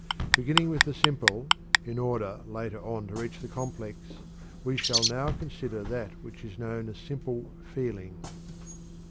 Beginning with the simple, in order later on to reach the complex, we shall now consider that which is known as simple "feeling."